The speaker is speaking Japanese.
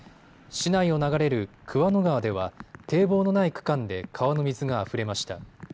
市内を流れる桑野川では堤防のない区間で川の水があふれました。